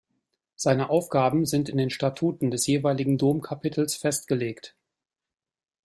Seine Aufgaben sind in den Statuten des jeweiligen Domkapitels festgelegt.